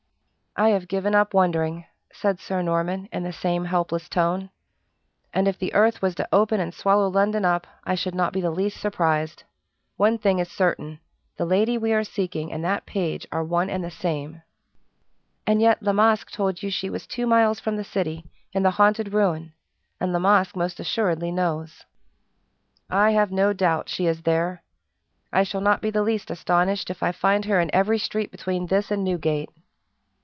"I have given up wondering," said Sir Norman, in the same helpless tone. "And if the earth was to open and swallow London up, I should not be the least surprised. One thing is certain: the lady we are seeking and that page are one and the same." "And yet La Masque told you she was two miles from the city, in the haunted ruin; and La Masque most assuredly knows." "I have no doubt she is there. I shall not be the least astonished if I find her in every street between this and Newgate."